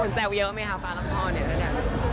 คนแซวเยอะไหมคะฟ้ารักพ่อเนี่ย